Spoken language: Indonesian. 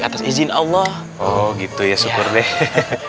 atas izin allah rashid sulekh gitu ya syukur deh euch